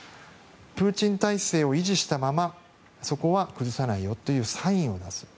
プーチン体制を維持したままそこは崩さないというサインを出す。